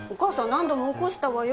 何度も起こしたわよ。